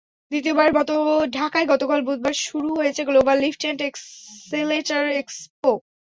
দ্বিতীয়বারের মতো ঢাকায় গতকাল বুধবার শুরু হয়েছে global lift and escalator expo.